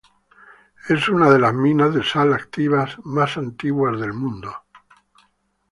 Es una de las minas de sal activas más antiguas del mundo.